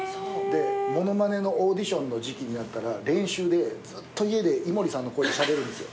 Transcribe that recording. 物まねのオーディションの時期になったら練習でずっと家で井森さんの声でしゃべるんですよ。